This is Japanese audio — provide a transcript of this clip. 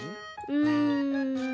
うん。